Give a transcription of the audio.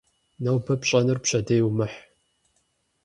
Нобэ пщӏэнур пщэдей умыхь.